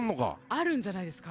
あるんじゃないですか。